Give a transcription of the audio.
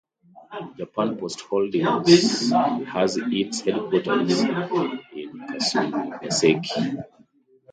Japan Post Holdings has its headquarters in Kasumigaseki.